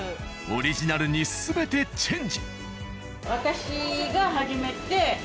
オリジナルに全てチェンジ。